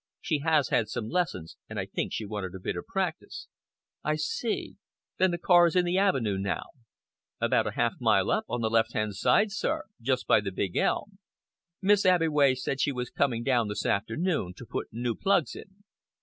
She has had some lessons, and I think she wanted a bit of practice." "I see. Then the car is in the avenue now?" "About half a mile up, on the left hand side, sir, just by the big elm. Miss Abbeway said she was coming down this afternoon to put new plugs in."